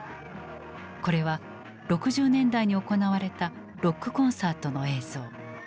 これは６０年代に行われたロックコンサートの映像。